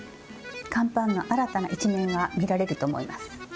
乾パンの新たな一面が見られると思います。